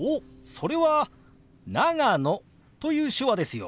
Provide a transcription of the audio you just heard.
それは「長野」という手話ですよ。